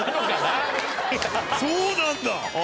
そうなんだ！